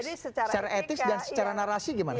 secara etis dan secara narasi gimana